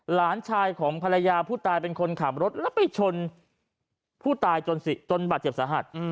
หลานชายของภรรยาผู้ตายเป็นคนขับรถแล้วไปชนผู้ตายจนบาดเจ็บสาหัส